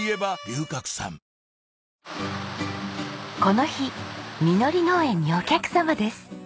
この日みのり農園にお客様です。